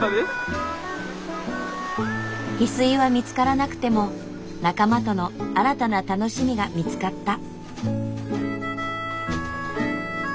ヒスイは見つからなくても仲間との新たな楽しみが見つかった。